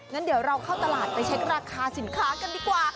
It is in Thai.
งั้นเดี๋ยวเราเข้าตลาดไปเช็คราคาสินค้ากันดีกว่า